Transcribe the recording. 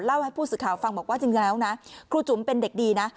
ให้ผู้สื่อข่าวฟังบอกว่าจริงแล้วนะครูจุ๋มเป็นเด็กดีนะ